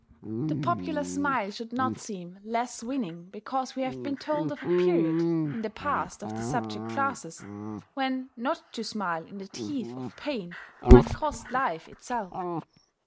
The popular smile should not seem less winning because we have been told of a period, in the past of the subject classes, when not to smile in the teeth of pain might cost life itself.